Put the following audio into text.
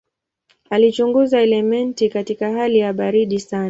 Alichunguza elementi katika hali ya baridi sana.